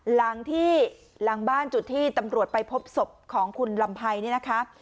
หลังที่หลังบ้านจุดที่ตำรวจไปพบศพของคุณลำไพรเนี่ยนะคะ